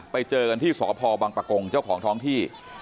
ไปเจอกันที่สพบังปะกงเจ้าของท้องที่